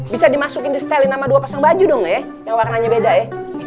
bisa dimasukin di setelin sama dua pasang baju dong ya yang warnanya beda ya